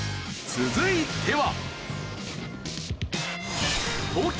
続いては。